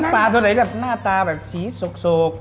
ปลาเท่าไหร่แบบหน้าตาแบบสีโสก